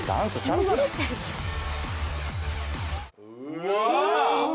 うわ。